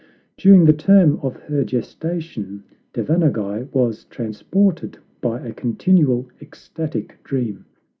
During the term of her gesta tion Devanaguy was transported by a continual, ecstatic dream.